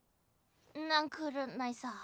なんくるないさ。